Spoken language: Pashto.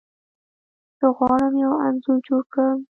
زه غواړم یو انځور جوړ کړم.